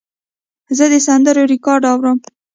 زه د سندرو ریکارډ اورم.